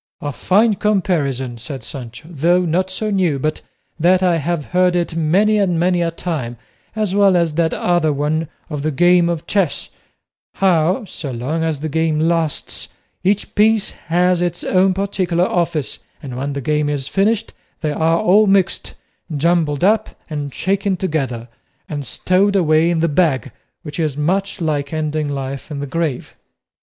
"A fine comparison!" said Sancho; "though not so new but that I have heard it many and many a time, as well as that other one of the game of chess; how, so long as the game lasts, each piece has its own particular office, and when the game is finished they are all mixed, jumbled up and shaken together, and stowed away in the bag, which is much like ending life in the grave."